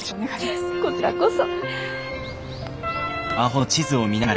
こちらこそ。